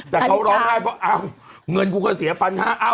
แต่เขาร้องไห้เพราะเงินก็เสียพันห้า